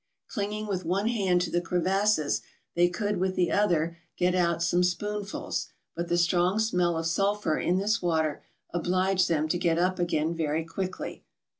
Clinging with one hand to the cre¬ vasses they could with the other get out some spoon¬ fuls ; but the strong smell of sulphur in this water obliged them to get up again very quickly.